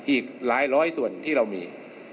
อีกหลายร้อยส่วนที่เรามี